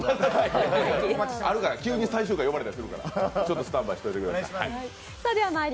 急に最終回呼ばれたりするからスタンバイしておいてください。